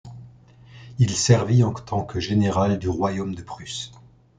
Il servit en tant que général du royaume de Prusse.